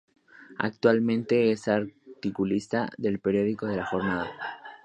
Actualmente es articulista del Periódico La Jornada.